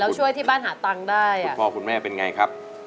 แล้วช่วยที่บ้านหาตังค์ได้คุณพ่อคุณแม่เป็นไงครับ